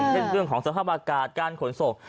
อย่างเกี่ยวกับสภาพอากาศการขนสก